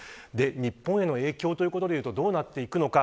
日本への影響ということでいうと、どうなっていくのか。